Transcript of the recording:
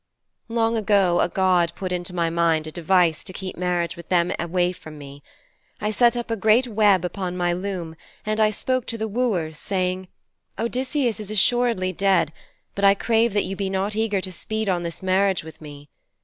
'Long ago a god put into my mind a device to keep marriage with any of them away from me. I set up a great web upon my loom and I spoke to the wooers, saying, "Odysseus is assuredly dead, but I crave that you be not eager to speed on this marriage with me.